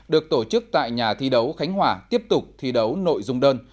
được tổ chức tại nhà thi đấu khánh hòa tiếp tục thi đấu nội dung đơn